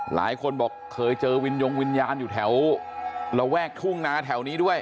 หลายคนบอกเคยเจอวินยงวิญญาณอยู่แถวระแวกทุ่งนาแถวนี้ด้วย